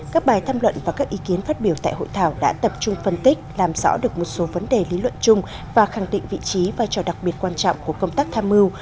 các bài tham luận và các ý kiến phát biểu tại hội thảo đã tập trung phân tích làm rõ được một số vấn đề lý luận chung và khẳng định vị trí và trò đặc biệt quan trọng của công tác tham mưu